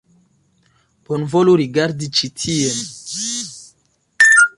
Bonvolu rigardi ĉi tien!